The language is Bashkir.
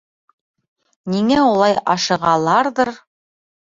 Ниңә улай ашығаларҙыр.